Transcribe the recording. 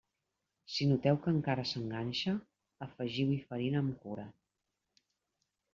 Si noteu que encara s'enganxa, afegiu-hi farina amb cura.